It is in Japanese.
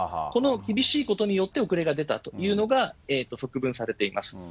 その厳しいことによって遅れが出たというのが側聞されています。